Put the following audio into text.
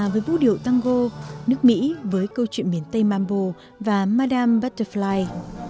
vũ điệu tango nước mỹ với câu chuyện miền tây mambo và madame butterfly